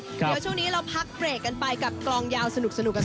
เดี๋ยวช่วงนี้เราพักเบรกกันไปกับกลองยาวสนุกกัน